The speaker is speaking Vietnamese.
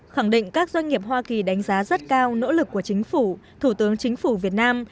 khẳng định các doanh nghiệp hoa kỳ đánh giá rất cao nỗ lực của chính phủ thủ tướng chính phủ việt nam